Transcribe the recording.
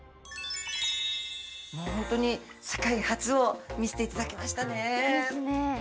もう本当に世界初を見せていただきましたね。ですね。